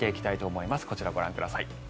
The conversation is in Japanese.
こちら、ご覧ください。